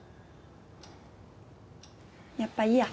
やっぱいいや。